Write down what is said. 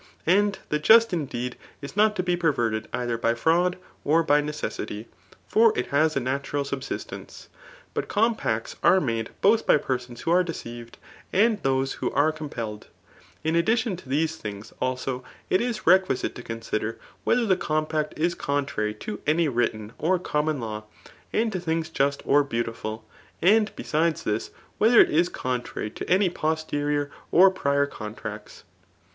And the just indeed is not to be perverted either by fraud, or by necessity ; for it has a natural subsistence ; but compacts are made boA by persons who are deceived, and those whp.are com* CHAP. XYU RHmfORIC. 93 pelkd In addidon to the^e things, also, it is requisite to consider whether the compact is contrary to any written or common law^ and to things just or beautiful ; and besides this» whether it is contrary to any posterior or pricn: contracts.